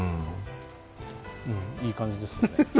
いい感じですね。